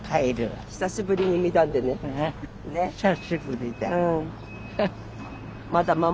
久しぶりだ。え？